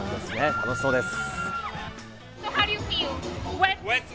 楽しそうです。